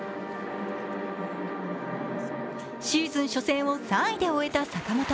シーズン初戦を３位で終えた坂本。